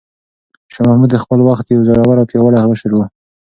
شاه محمود د خپل وخت یو زړور او پیاوړی مشر و.